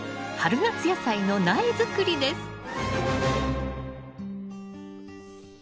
春夏野菜の苗作りです。